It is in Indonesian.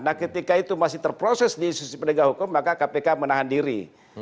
nah ketika itu masih terproses di institusi pendidikan hukum maka kpk menahan diri